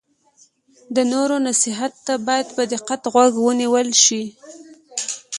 د نورو نصیحت ته باید په دقت غوږ ونیول شي.